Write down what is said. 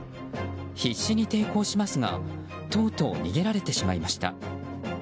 必死に抵抗しますがとうとう逃げられてしまいました。